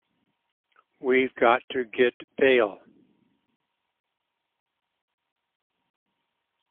We've got to get bail.